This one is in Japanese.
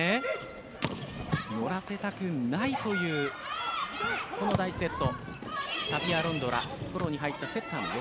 乗らせたくないというこの第１セット。